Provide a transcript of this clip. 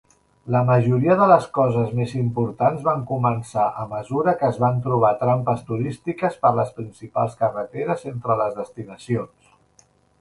La majoria de les coses més importants van començar a mesura que es van trobar trampes turístiques per les principals carreteres entre les destinacions.